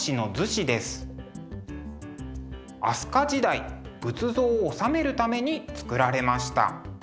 飛鳥時代仏像を収めるために作られました。